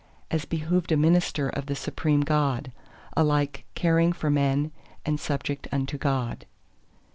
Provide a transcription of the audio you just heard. As behoved a minister of the Supreme God, alike caring for men and subject unto God.